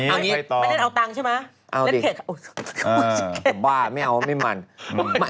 ไฟตองแม่เล่นเอาตังใช่มะเล่นเข็ดโอ๊ยจะบ้าไม่เอาเพราะไม่มัน